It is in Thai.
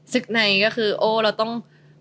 ในก็คือโอ้เราต้อง